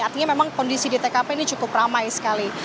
artinya memang kondisi di tkp ini cukup ramai sekali